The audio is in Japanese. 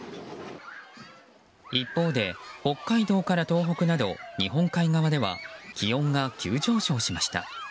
一方で北海道から東北など日本海側では気温が急上昇しました。